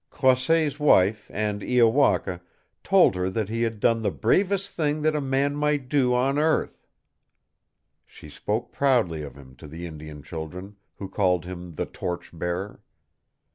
Croisset's wife and Iowaka told her that he had done the bravest thing that a man might do on earth. She spoke proudly of him to the Indian children, who called him the "torch bearer."